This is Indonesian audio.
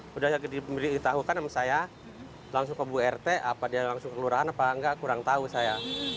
sudah diberitahukan sama saya langsung ke bu rt apa dia langsung kelurahan apa enggak kurang tahu saya